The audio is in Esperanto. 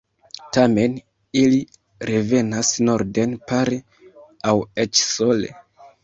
Tamen ili revenas norden pare aŭ eĉ sole.